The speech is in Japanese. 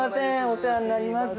お世話になります。